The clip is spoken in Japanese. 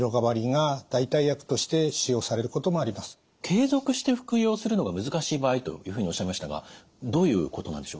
継続して服用するのが難しい場合というふうにおっしゃいましたがどういうことなんでしょう？